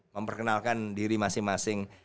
memperkenalkan diri masing masing